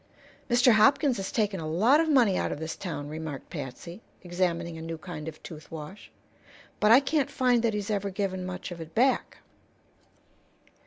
"Mr. Hopkins has taken a lot of money out of this town," remarked Patsy, examining a new kind of tooth wash. "But I can't find that he's ever given much of it back."